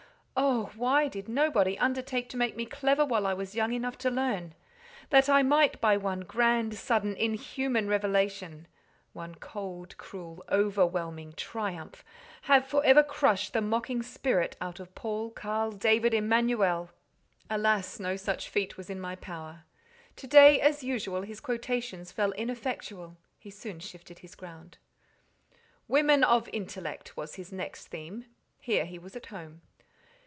Oh! why did nobody undertake to make me clever while I was young enough to learn, that I might, by one grand, sudden, inhuman revelation—one cold, cruel, overwhelming triumph—have for ever crushed the mocking spirit out of Paul Carl David Emanuel! Alas! no such feat was in my power. To day, as usual, his quotations fell ineffectual: he soon shifted his ground. "Women of intellect" was his next theme: here he was at home.